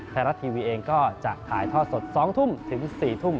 ไทยรัฐทีวีเองก็จะถ่ายทอดสด๒ทุ่มถึง๔ทุ่ม